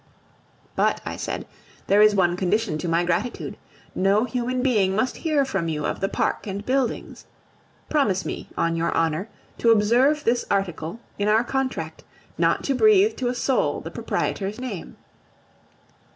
"But," I said, "there is one condition to my gratitude. No human being must hear from you of the park and buildings. Promise me, on your honor, to observe this article in our contract not to breathe to a soul the proprietor's name."